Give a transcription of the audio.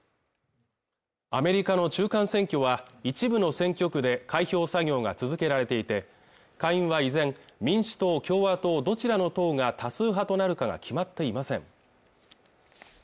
アメリカの中間選挙は一部の選挙区で開票作業が続けられていて下院は依然民主党、共和党どちらの党が多数派となるかが決まっていません